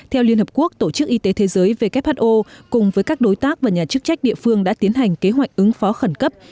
theo liên hợp quốc tổ chức y tế thế giới who cùng với các đối tác và nhà chức trách địa phương đã tiến hành kế hoạch ứng phó khẩn cấp